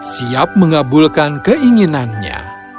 siap mengabulkan keinginannya